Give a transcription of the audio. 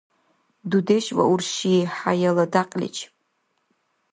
Дудеш ва урши – хӏяяла дякьличиб